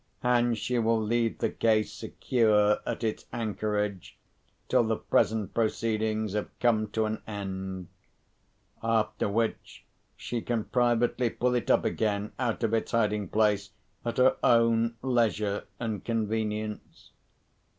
And she will leave the case secure at its anchorage till the present proceedings have come to an end; after which she can privately pull it up again out of its hiding place, at her own leisure and convenience.